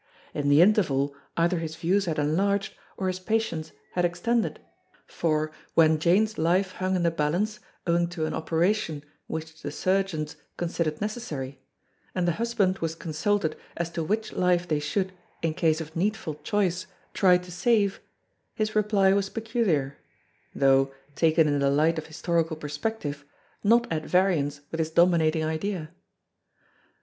In the interval either his views had enlarged or his patience had extended; for, when Jane's life hung in the balance, owing to an operation which the surgeons considered necessary, and the husband was consulted as to which life they should, in case of needful choice, try to save, his reply was peculiar though, taken in the light of historical perspective, not at variance with his dominating idea.